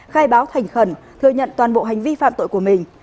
khai báo thành khẩn thừa nhận toàn bộ hành vi phạm tội của mình